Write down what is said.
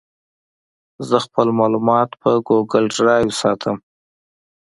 زه خپل معلومات په ګوګل ډرایو ساتم.